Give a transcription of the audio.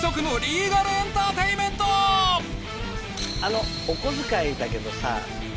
あのお小遣いだけどさ